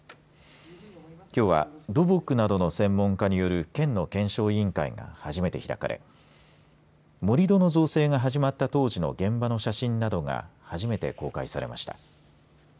きょうは土木などの専門家による県の検証委員会が初めて開かれ盛り土の造成が始まった当時の現場の写真などが初めて公開されました。